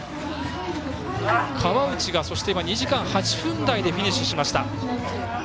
川内が２時間８分台でフィニッシュしました。